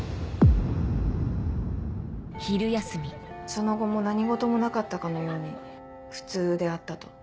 その後も何ごともなかったかのように普通であったと。